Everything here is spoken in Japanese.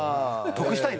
得したい。